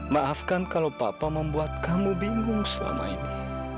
maafkan kalau papa membuat kamu bingung selama ini